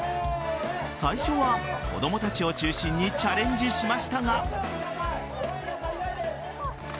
最初は子供たちを中心にチャレンジしましたが。